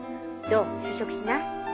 どう就職しない？